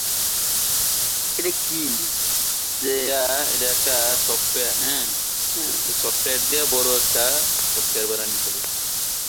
এটা হতে পারে যে এগুলো কবর যেগুলো খালি পড়ে আছে, এবং প্রত্নতাত্ত্বিকদের জন্য বিশ্বাস করা কঠিন যে এগুলো বাসস্থান ছিল।